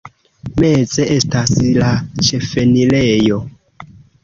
Meze estas la ĉefenirejo.